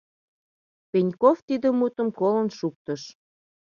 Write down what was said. Пеньков тиде мутым колын шуктыш.